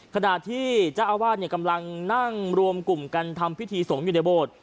ขณะที่เจ้าอาวาสกำลังนั่งรวมกลุ่มกันทำพิธีสงฆ์อยู่ในโบสถ์